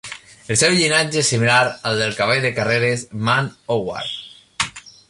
El seu llinatge és similar al del cavall de carreres Man O' War.